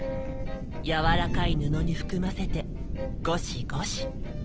柔らかい布に含ませてゴシゴシ。